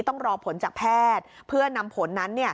ต้องรอผลจากแพทย์เพื่อนำผลนั้น